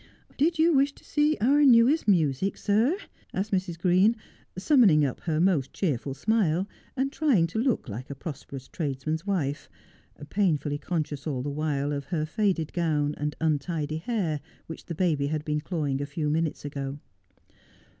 ' Did you wish to see our newest music, sir 1 ' asked Mrs. Green, summoning up her most cheerful smile, and trying to look like a prosperous tradesman's wife, painfully conscious all the while of her faded gown and untidy hair, which the baby had been clawing a few minutes ago.